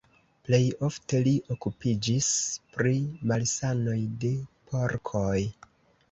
Plej ofte li okupiĝis pri malsanoj de porkoj.